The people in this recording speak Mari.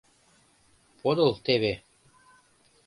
— Подыл теве.